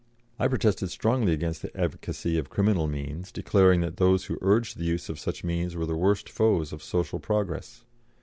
I protested strongly against the advocacy of criminal means, declaring that those who urged the use of such means were the worst foes of social progress.